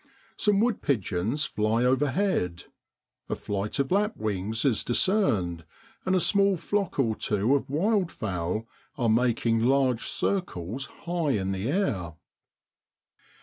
Some wood pigeons fly overhead. A flight of lapwings is discerned, and a small flock or two of wild fowl are making large circles high in the air.